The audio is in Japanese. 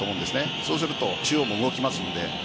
そうすると中央も動きますので。